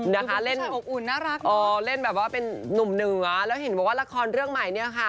นะคะเล่นอ๋อเล่นแบบว่าเป็นนุ่มเหนือแล้วเห็นว่าละครเรื่องใหม่เนี่ยค่ะ